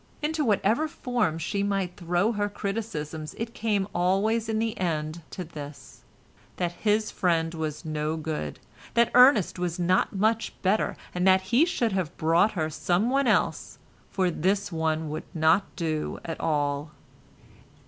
Into whatever form she might throw her criticisms it came always in the end to this, that his friend was no good, that Ernest was not much better, and that he should have brought her someone else, for this one would not do at all.